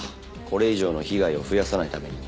これ以上の被害を増やさないために。